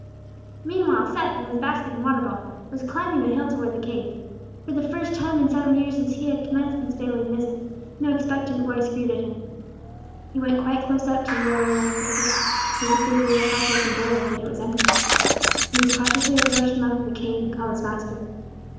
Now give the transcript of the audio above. Meanwhile, Seth, with his basket and water bottle, was climbing the hill toward the cave. For the first time in seven years since he had commenced these daily visits, no expectant voice greeted him. He went quite close up to the little room under the cliff; he could see through the half open door that it was empty. Then he cautiously approached the mouth of the cave, and called his master.